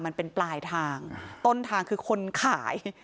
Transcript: มันเป็นปลายทางต้นทางคือคนขาย